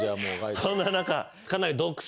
そんな中かなり。